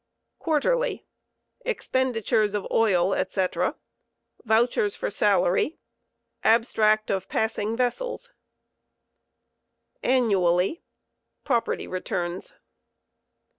Quarterly; Expenditures of oil, &c* Vouchers for salary. Abotooot.of paooing vooooloi — Annually: Property returns.